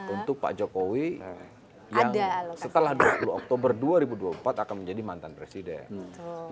untuk pak jokowi yang setelah dua puluh oktober dua ribu dua puluh empat akan menjadi mantan presiden